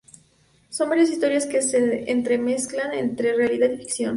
Son varias historias que se entremezclan entre realidad y ficción.